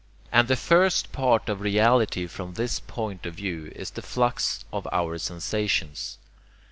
] and the FIRST part of reality from this point of view is the flux of our sensations.